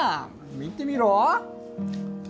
見てみろ？